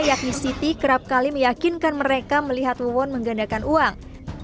yakni siti kerap kali meyakinkan mereka melihat luwon menggandakan uang